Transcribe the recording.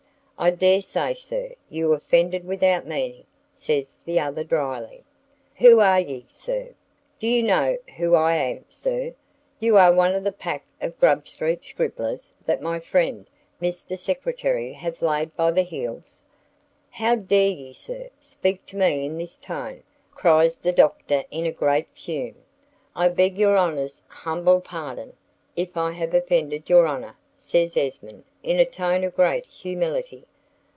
"I dare say, sir, you offended without meaning," says the other, dryly. "Who are ye, sir? Do you know who I am, sir? You are one of the pack of Grub Street scribblers that my friend Mr. Secretary hath laid by the heels. How dare ye, sir, speak to me in this tone?" cries the Doctor, in a great fume. "I beg your honor's humble pardon if I have offended your honor," says Esmond in a tone of great humility.